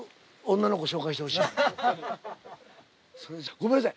ごめんなさい。